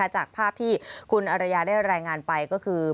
จากภาพที่คุณอรยาได้รายงานไปก็คือ